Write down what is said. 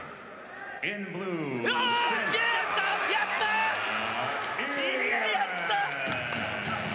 やった！